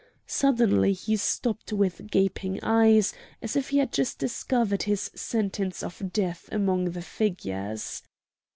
Suddenly he stopped with gaping eyes, as if he had just discovered his sentence of death among the figures.